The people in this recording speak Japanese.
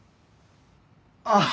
ああ！